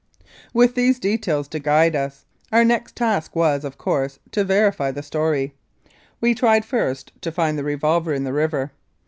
With these details to guide us, our next task was, of course, to verify the story. We tried, first, to find the 244 The Tucker Peach Murder revolver in the river.